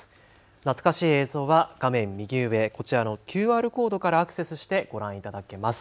懐かしい映像は画面右上、こちらのＱＲコードからアクセスしてご覧いただけます。